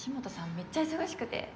めっちゃ忙しくて。